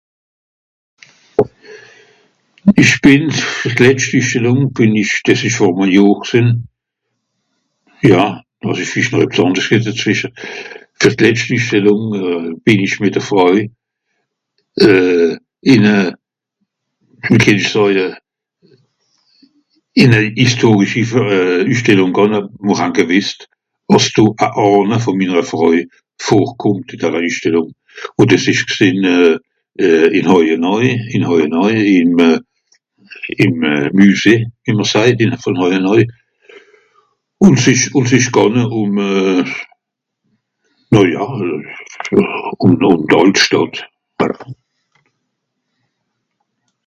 Ìch bìn... d'letscht üssstellùng, bìn ìch... dìs ìsch vor'me Johr gsìnn. Ja... dàs ìsch (...) dezwìsche. D'letscht Üssstellùng euh... bìn ìch mìt (...). Euh... ìn e... wie kennt ich sàje... ìn e historischi ver... euh... Üssstellùng gànge (...) àss do a (...) vùn minnere (...) vorkùmmt, (...) Üsstellùng. Ùn dìs ìsch gsìnn euh... euh... ìn Hàïenàï, ìn Hàïenàï, ìme... ìme Müsee, wie mr sajt, (...) ùn Hàïenàï. Ùn s'Ìsch... ùn s'ìsch gànge ùm euh... oh Ja euh... ùm (...) Stàdt. Voilà.